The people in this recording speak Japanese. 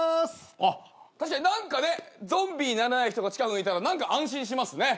確かにゾンビにならない人が近くにいたら安心しますね。